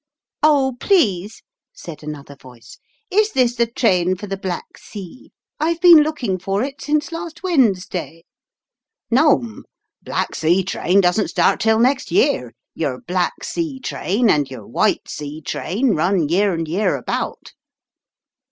"Oh, please," said another voice, "is this the 14 And the porter explains how not to get anyivhere. train for the Black Sea? I've been looking for it since last Wednesday." "No, 'm; Black Sea train doesn't start till next year; your Black Sea train and your White Sea train run year and year about."